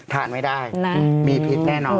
ทานไม่ได้มีพิษแน่นอน